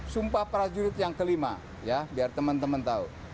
sumpah prajurit yang kelima ya biar teman teman tahu